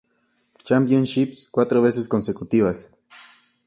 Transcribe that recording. Championships cuatro veces consecutivas.